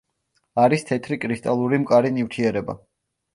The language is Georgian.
არის თეთრი კრისტალური მყარი ნივთიერება.